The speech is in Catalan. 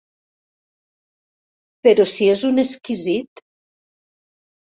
Però si és un exquisit.